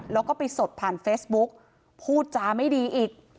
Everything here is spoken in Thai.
แล้วก็ไปสดผ่านเฟซบุ๊กพูดจาไม่ดีอีก